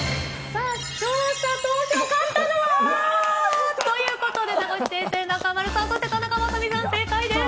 さあ、視聴者投票、勝ったのは。ということで名越先生、中丸さん、そして田中雅美さん、正解です。